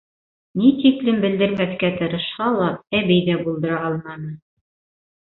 Ни тиклем белдермәҫкә тырышһа ла, әбей ҙә булдыра алманы: